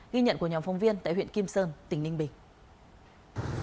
ghi nhận của nhóm phóng viên tại huyện kim sơn tỉnh ninh bình